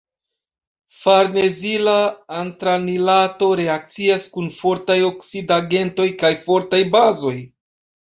Farnezila antranilato reakcias kun fortaj oksidigagentoj kaj fortaj bazoj.